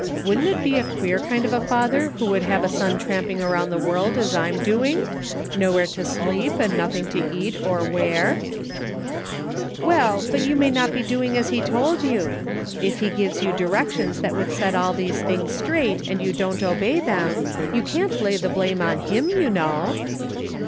Wouldn't it be a queer kind of a father who would have a son tramping around the world as I'm doing ? Nowhere to sleep, and nothing to eat, or wear .''" "Well, but you may not be doing as He told you ; if He gives you directions that would set all these things straight and you don't obey them, you can't lay the blame on Him, you know."